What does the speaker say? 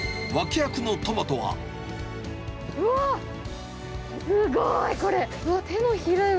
うわっ、すごい、これ。